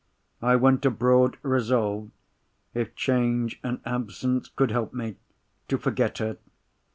I went abroad, resolved—if change and absence could help me—to forget her.